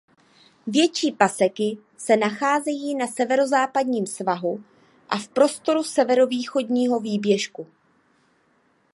Větší paseky se nacházejí na severozápadním svahu a v prostoru severovýchodního výběžku.